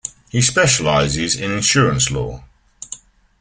He specialises in insurance law.